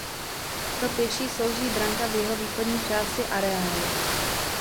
Pro pěší slouží branka v jihovýchodní části areálu.